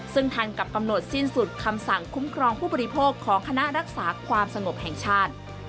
ซึ่งทันกับกำหนดสิ้นสุดคำสั่งคุ้มครองผู้บริโภคของคณะรักษาความสงบแห่งชาติ